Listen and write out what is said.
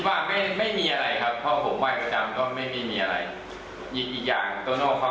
ทำเพื่อโรงพยาบาลเพื่ออะไรเนี่ยครับผมสนับสนุนครับ